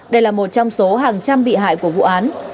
đây là một trong số hàng trăm bị hại của vụ án